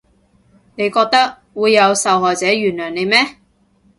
你覺得會有受害者原諒你咩？